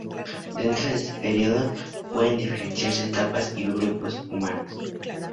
Dentro de este periodo, pueden diferenciarse etapas y grupos humanos.